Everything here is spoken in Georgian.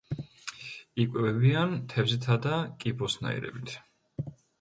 იკვებებიან თევზითა და კიბოსნაირებით.